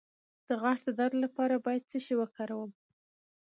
د غاښ د درد لپاره باید څه شی وکاروم؟